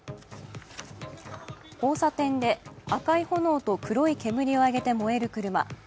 交差点で赤い炎と黒い煙を上げて燃える車。